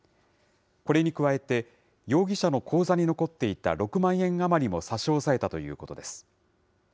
これに加えて、容疑者の口座に残っていた６万円余りも差し押さえたということです。